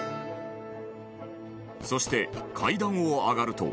そして、階段を上がると